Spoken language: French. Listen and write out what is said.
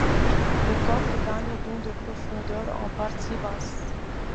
Le coffre gagne donc de profondeur en partie basse.